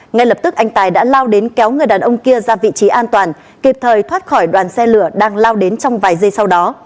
ngay lập tức anh tài đã lao đến kéo người đàn ông kia ra vị trí an toàn kịp thời thoát khỏi đoàn xe lửa đang lao đến trong vài giây sau đó